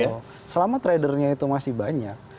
oh selama tradernya itu masih banyak